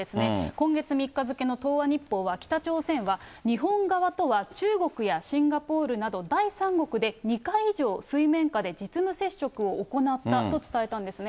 今月３日付の東亜日報は、北朝鮮は、日本側とは中国やシンガポールなど第三国で２回以上、水面下で実務接触を行ったと伝えたんですね。